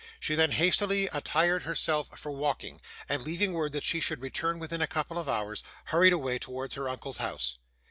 She then hastily attired herself for walking, and leaving word that she should return within a couple of hours, hurried away towards her uncle's house.